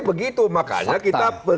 begitu makanya kita